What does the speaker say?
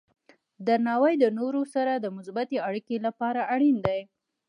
درناوی د نورو سره د مثبتې اړیکې لپاره اړین دی.